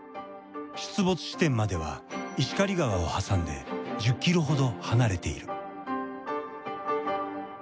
出没地点までは石狩川を挟んで１０キロほど離れている。